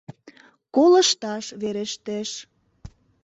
Колышташ верештеш.